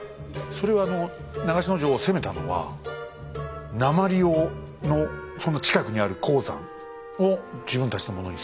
それは長篠城を攻めたのは鉛をのその近くにある鉱山を自分たちのものにするため。